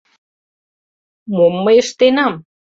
Мом мый ыштенам?